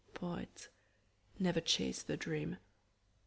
Poet, never chase the dream.